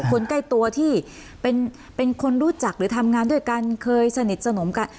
คนใกล้ตัวที่เป็นคนรู้จักหรือทำงานด้วยกันเคยสนิทสนมกัน